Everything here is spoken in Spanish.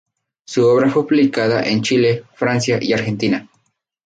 Su obra fue publicada en Chile, Francia y Argentina.